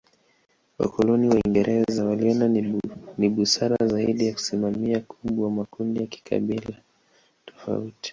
Wakoloni Waingereza waliona ni busara zaidi ya kusimamia kubwa makundi ya kikabila tofauti.